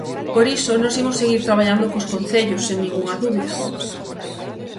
Por iso nós imos seguir traballando cos concellos, sen ningunha dúbida.